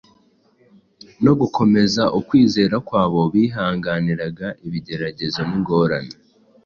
no gukomeza ukwizera kw’abo bihanganiraga ibigeragezo n’ingorane